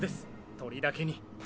鳥だけに。